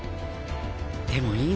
でもいい